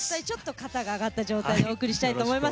肩が上がった状態でお送りしたいと思います。